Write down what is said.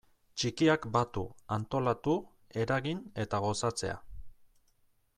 Txikiak batu, antolatu, eragin eta gozatzea.